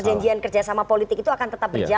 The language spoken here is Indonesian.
karena kerjasama politik itu akan tetap berjalan